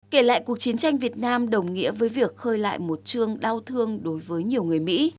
kể lại cuộc chiến tranh việt nam đồng nghĩa với việc khơi lại một chương đau thương đối với nhiều người mỹ